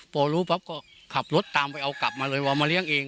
พอรู้ปั๊บก็ขับรถตามไปเอากลับมาเลยว่าเอามาเลี้ยงเอง